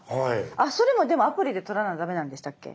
それもでもアプリで取らなダメなんでしたっけ？